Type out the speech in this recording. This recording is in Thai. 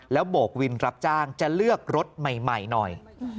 แล้วโบกวินรับจ้างจะเลือกรถใหม่หน่อย